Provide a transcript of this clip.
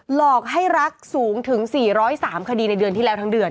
หลอกให้รักสูงถึง๔๐๓คดีในเดือนที่แล้วทั้งเดือน